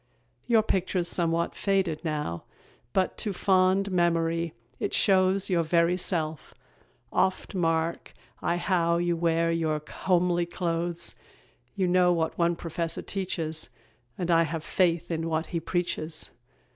Your picture's somewhat faded now, But to fond memory it shows Your very self; oft mark I how You wear your homely clothes. You know what one professor teaches, And I have faith in what he preaches.